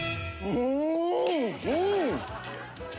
うん！